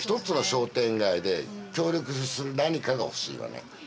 １つの商店街で協力する何かが欲しいわね。